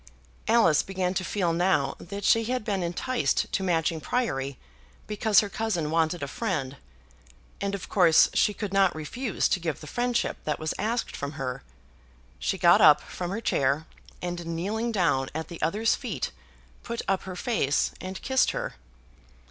Alice began to feel now that she had been enticed to Matching Priory because her cousin wanted a friend, and of course she could not refuse to give the friendship that was asked from her. She got up from her chair, and kneeling down at the other's feet put up her face and kissed her.